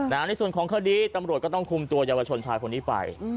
ในส่วนของคดีตำรวจก็ต้องคุมตัวเยาวชนชายคนนี้ไป